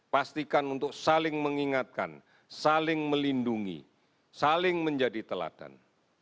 pastikan untuk saling mengingatkan saling melindungi saling menjadi teladan